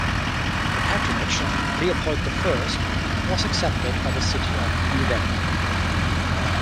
The patronage of "Leopold the First" was accepted by the city of Nivelles.